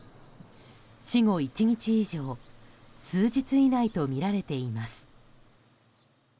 死後１日以上数日以内とみられています。